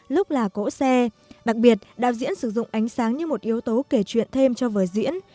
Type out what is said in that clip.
lúc là cỗ xe đặc biệt đạo diễn sử dụng ánh sáng như một yếu tố kể chuyện thêm cho vở diễn